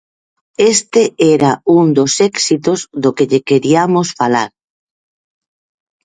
Este era un dos éxitos do que lle queriamos falar.